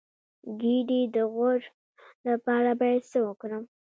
د ګیډې د غوړ لپاره باید څه وکړم؟